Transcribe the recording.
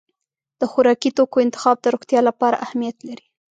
د خوراکي توکو انتخاب د روغتیا لپاره اهمیت لري.